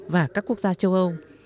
và các quốc gia châu âu